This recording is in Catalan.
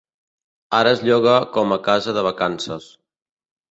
Ara es lloga com a casa de vacances.